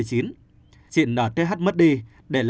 chị nth mất đi để lại hai cháu bé